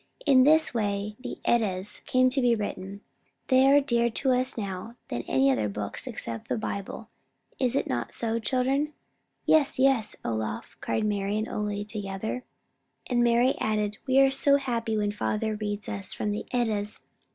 In this way the 'Eddas' came to be written. They are dearer to us now than any other books except the Bible. Is it not so, children?" "Yes, yes, Olaf," cried Mari and Ole together. And Mari added, "We are so happy when father reads to us from the 'Eddas.'